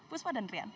puspa dan rian